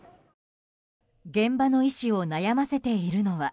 現場の医師を悩ませているのは。